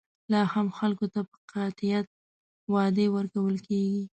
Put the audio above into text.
لا هم خلکو ته په قاطعیت وعدې ورکول کېږي.